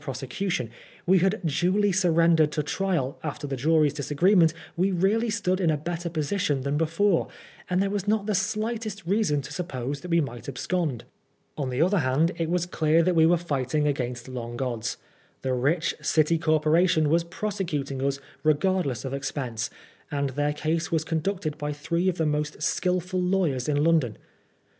prosecution, we had duly surrendered to trial, after the jury's disagreement we really stood in a better position than before, and there was not the slightest reason to suppose that we might abscond. On the other hand 84 PRISONER FOR BLASPHEMY. was clear that we were fighting against long odds. The rich City Corporation was prosecuting us regardless of expense, and their case was conducted by three of the most skilful lawyers in London.